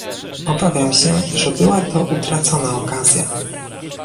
Obawiam się, że była to utracona okazja